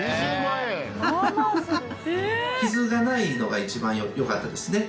キズがないのが一番よかったですね。